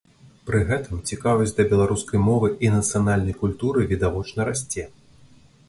Пры гэтым цікавасць да беларускай мовы і нацыянальнай культуры відавочна расце.